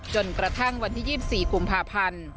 จนกระทั่งวันที่๒๔กุมภาพันธ์